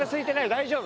大丈夫？